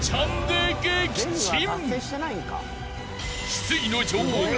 ［失意の女王が］